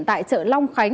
tại chợ long khánh